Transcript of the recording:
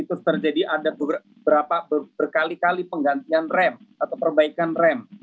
terus terjadi ada beberapa berkali kali penggantian rem atau perbaikan rem